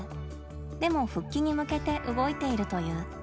でも復帰に向けて動いているという。